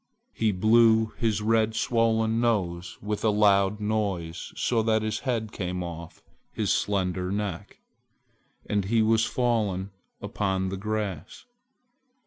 He blew his red swollen nose with a loud noise so that his head came off his slender neck, and he was fallen upon the grass.